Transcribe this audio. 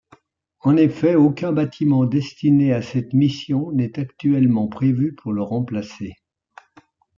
En effet aucun bâtiment destiné à cette mission n'est actuellement prévu pour le remplacer.